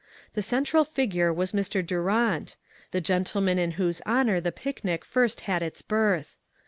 The central figure was Mr. Durant, the gentle man in whose honor the picnic first had its birth.